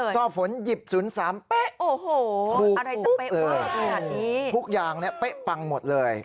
ซ่อฝนหยิบ๐๓เป๊ะทุกอย่างเป๊ะปังหมดเลย